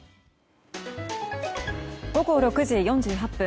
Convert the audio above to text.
午後６時４８分。